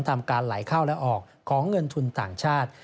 ทำการไหลเข้าและออกของเงินทุนต่างชาติ